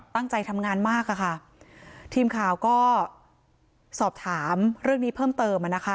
ตั้งใจทำงานมากทีมข่าวก็สอบถามเรื่องนี้เพิ่มเติม